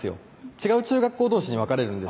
違う中学校どうしに分かれるんです